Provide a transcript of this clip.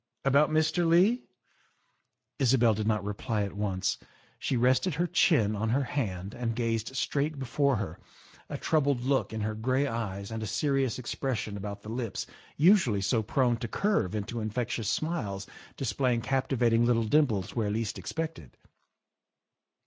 "About Mr. Leigh?" Isabel did not reply at once. She rested her chin on her hand and gazed straight before her, a troubled look in her gray eyes and a serious expression about the lips usually so prone to curve into infectious smiles display ing captivating little dimples where least expected.